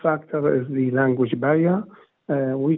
faktor lain adalah perintah bahasa